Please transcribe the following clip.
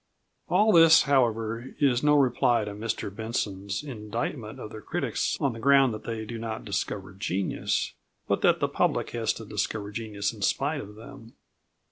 All this, however, is no reply to Mr Benson's indictment of the critics on the ground that they do not discover genius, but that the public has to discover genius in spite of them.